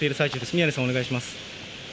宮根さん、お願いします。